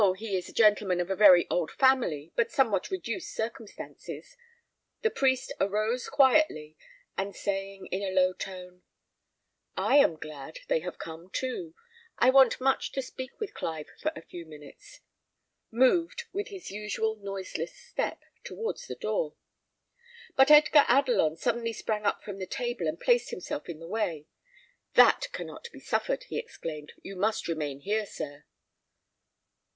he is a gentleman of very old family, but of somewhat reduced circumstances," the priest arose quietly, and saying, in a low tone, "I am glad they have come too; I want much to speak with Clive for a few minutes," moved, with his usual noiseless step, towards the door. But Edgar Adelon suddenly sprang up from the table, and placed himself in the way. "That cannot be suffered," he exclaimed. "You must remain here, sir."